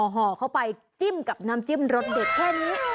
ห่อเข้าไปจิ้มกับน้ำจิ้มรสเด็ดแค่นี้